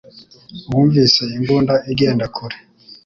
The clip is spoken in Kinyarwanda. Bumvise imbunda igenda kure